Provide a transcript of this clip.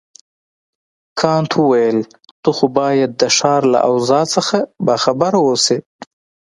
کانت وویل ته خو باید د ښار له اوضاع نه باخبره اوسې.